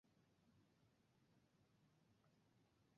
রাজনীতিতে তিনি ছিলেন একজন উৎসাহী হুইগ।